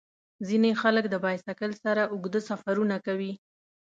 ځینې خلک د بایسکل سره اوږده سفرونه کوي.